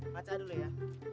ngacak dulu ya